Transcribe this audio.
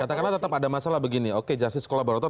katakanlah tetap ada masalah begini oke justice kolaborator